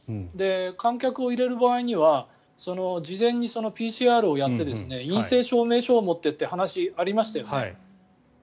観客を入れる場合には事前にＰＣＲをやって陰性証明書を持ってという話がありましたよね。